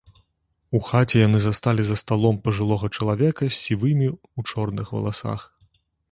У хаце яны засталі за сталом пажылога чалавека з сівымі ў чорных валасах.